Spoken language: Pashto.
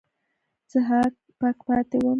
زه هک پک پاتې وم.